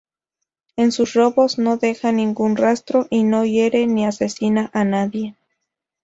En sus robos no deja ningún rastro y no hiere ni asesina a nadie.